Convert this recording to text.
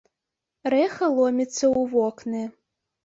Рэха ломіцца ў вокны.